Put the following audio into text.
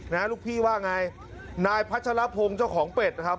ลูกพี่ว่าไงนายพัชรพงศ์เจ้าของเป็ดนะครับ